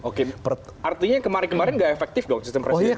oke artinya kemarin kemarin nggak efektif dong sistem presidensial kita